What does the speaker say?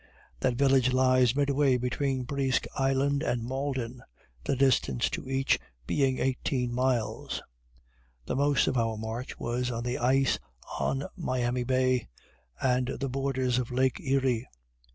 That village lies midway between Presque Isle and Malden, the distance to each being eighteen miles. The most of our march was on the ice on Miami bay, and the borders of lake Erie.